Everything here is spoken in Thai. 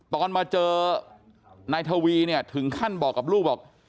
ตอนมาเจอนายทวีเนี่ยถึงขั้นบอกกับลูกบอก